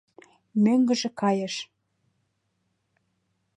Мӧҥгыжӧ кайыш.